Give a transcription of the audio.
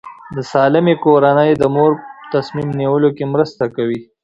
د سالمې کورنۍ د مور په تصمیم نیول کې مرسته کوي.